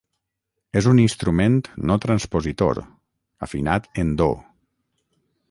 És un instrument no transpositor, afinat en Do.